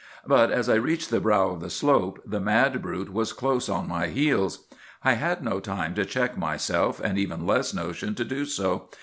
But as I reached the brow of the slope the mad brute was close on my heels. "I had no time to check myself, and even less notion to do so.